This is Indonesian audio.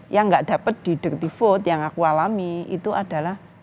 yang tidak dapat di dirty vote yang aku alami itu adalah